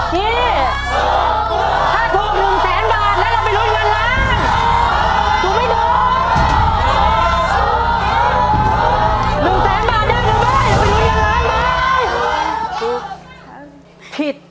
นี่ถ้าถูก๑แสนบาทแล้วเราไปลุ้นเงินล้านถูกไม่ถูก